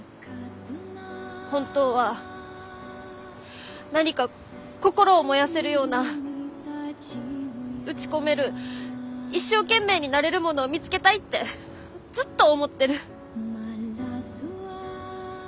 本当は何か心を燃やせるような打ち込める一生懸命になれるものを見つけたいってずっと思ってる。